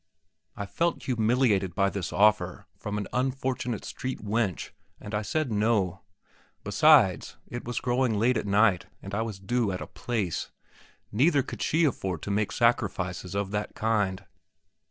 I felt humiliated by this offer from an unfortunate street wench, and I said "No." Besides, it was growing late at night, and I was due at a place. Neither could she afford to make sacrifices of that kind.